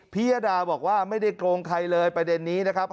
ยดาบอกว่าไม่ได้โกงใครเลยประเด็นนี้นะครับ